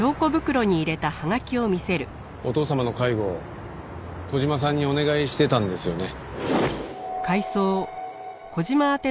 お父様の介護小島さんにお願いしてたんですよね。